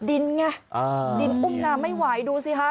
ดินไงดินอุ้มน้ำไม่ไหวดูสิฮะ